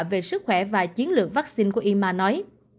về sức khỏe và chiến lược vaccine của ima nói